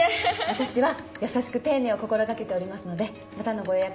私は優しく丁寧を心掛けておりますのでまたのご予約